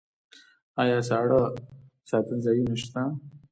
آیا ساړه ساتنځایونه شته؟